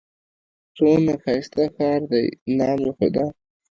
څونه ښايسته ښار دئ! نام خدا!